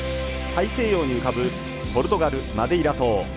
大西洋に浮かぶポルトガル・マデイラ島。